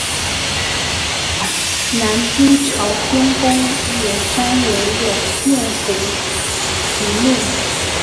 南京朝天宫冶山原有卞壸祠墓。